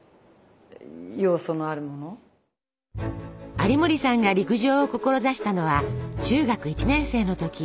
有森さんが陸上を志したのは中学１年生の時。